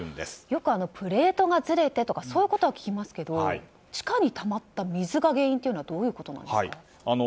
よくプレートがずれてとかそういうことは聞きますけど地下にたまった水が原因とはどういうことですか。